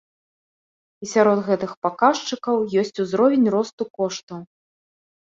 І сярод гэтых паказчыкаў ёсць узровень росту коштаў.